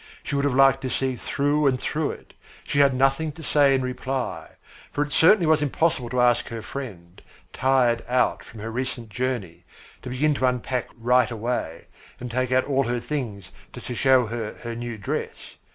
She would have liked to see through and through it. She had nothing to say in reply, because it certainly was impossible to ask her friend, tired out from her recent journey, to begin to unpack right away and take out all her things just to show her her new dress.